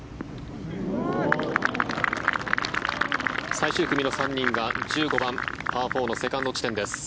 最終組の３人が１５番、パー４のセカンド地点です。